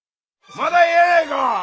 まだええやないか！